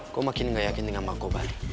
kok makin gak yakin dengan bang kobar